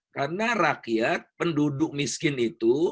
karena rakyat penduduk miskin itu